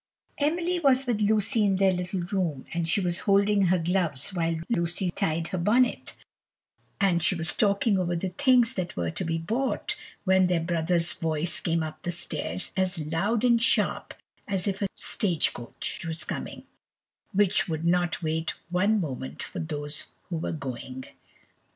Emily was with Lucy in their little room, and she was holding her gloves whilst Lucy tied her bonnet, and she was talking over the things that were to be bought, when their brother's voice came up the stairs as loud and sharp as if a stage coach was coming, which would not wait one moment for those who were going.